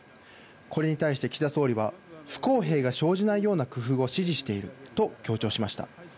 これに対して岸田総理は、不公平が生じないような工夫を指示していると強調しました。